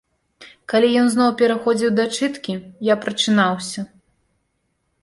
Калі ён зноў пераходзіў да чыткі, я прачынаўся.